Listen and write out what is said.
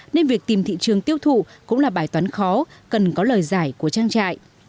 nên việc tìm thị trường tiêu thụ cũng là bài toán khó cần có lời giải của trang trại